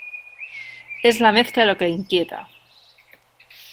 Es la mezcla lo que inquieta.